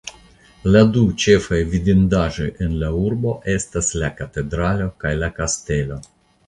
La du ĉefaj vidindaĵoj de la urbo estas la katedralo kaj la kastelo.